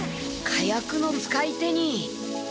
火薬の使い手に。